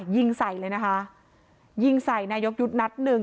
ยิงใส่เลยนะคะยิงใส่นายกยุทธ์นัดหนึ่ง